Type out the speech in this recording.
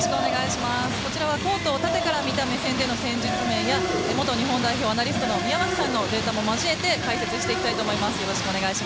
こちらはコートを縦から見た目線での戦術面や元日本代表アナリスト宮脇さんのデータも交えて解説していきたいと思います。